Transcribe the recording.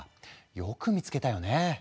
よく見つけたよね。